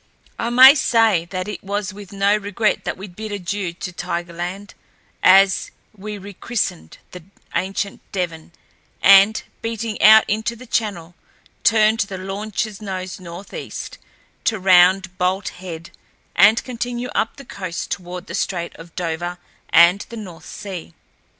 I may say that it was with no regret that we bid adieu to Tigerland, as we rechristened the ancient Devon, and, beating out into the Channel, turned the launchl's nose southeast, to round Bolt Head and continue up the coast toward the Strait of Dover and the North Sea.